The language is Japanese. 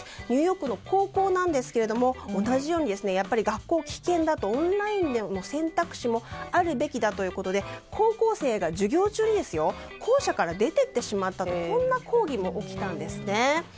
ニューヨークの高校ですけども同じように学校は危険だとオンラインの選択肢もあるべきだということで高校生が授業中に校舎から出て行ってしまったという抗議も起きたんですね。